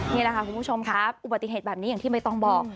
นี่แหละค่ะคุณผู้ชมครับอุบัติเหตุแบบนี้อย่างที่ไม่ต้องบอก